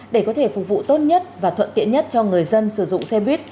để có thể phục vụ tốt nhất và thuận tiện nhất cho người dân sử dụng xe buýt